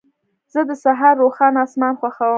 زه د سهار روښانه اسمان خوښوم.